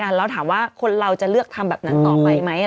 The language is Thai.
แล้วถามว่าคนเราจะเลือกทำแบบนั้นต่อไปไหม